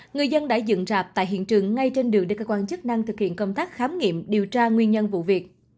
người dân đã dựng rạp tại hiện trường ngay trên đường để cơ quan chức năng thực hiện công tác khám nghiệm điều tra nguyên nhân vụ việc